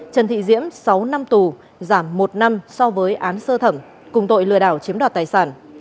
trần thị diễm sáu năm tù giảm một năm so với án sơ thẩm cùng tội lừa đảo chiếm đoạt tài sản